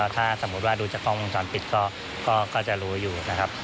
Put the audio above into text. ถ้าสมมุติว่าดูจากกล้องวงจรปิดก็จะรู้อยู่นะครับ